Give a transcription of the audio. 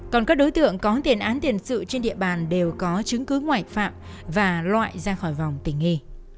còn các đối tượng có tiền án tiền sự trên địa bàn đều có chứng cứ ngoại phạm và loại ra khỏi vòng tỉnh nghi